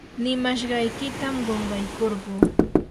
nimashqaykitam qunqaykurquu.